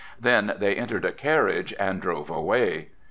'" "Then they entered a carriage and drove away.